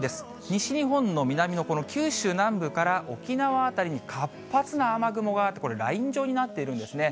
西日本の南のこの九州南部から沖縄辺りに活発な雨雲があって、これ、ライン状になっているんですね。